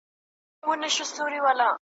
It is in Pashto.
ستا د خوبونو نازولي عطر ,